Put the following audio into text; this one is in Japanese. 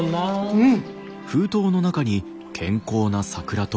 うん？